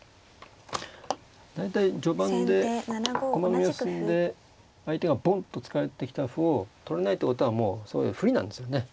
大体序盤で駒組みが進んで相手がボンッと突かれてきた歩を取れないってことはもう不利なんですよね。